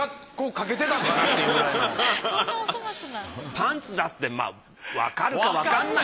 パンツだってわかるかわかんない。